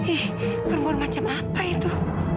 eh perempuan macam apa itu